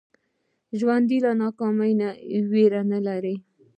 ژوندي له ناکامۍ نه ویره نه لري